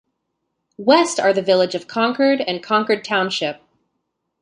West are the village of Concord and Concord Township.